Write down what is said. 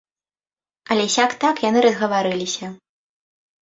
Але сяк-так яны разгаварыліся.